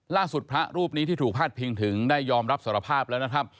พระรูปนี้ที่ถูกพาดพิงถึงได้ยอมรับสารภาพแล้วนะครับ